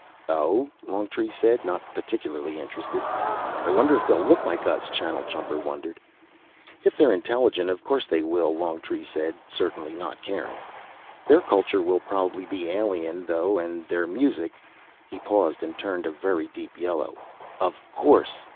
"Oh?" Longtree said, not particularly interested. "I wonder if they'll look like us?" Channeljumper wondered. "If they're intelligent, of course they will," Longtree said certainly, not caring. "Their culture will probably be alien, though, and their music " He paused and turned a very deep yellow. "Of course!